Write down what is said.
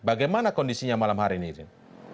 bagaimana kondisinya malam hari ini izin